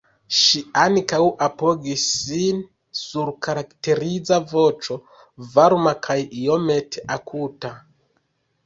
Ŝi ankaŭ apogis sin sur karakteriza voĉo, varma kaj iomete akuta.